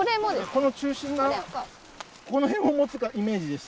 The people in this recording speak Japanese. この中心がこの辺を持つイメージでして。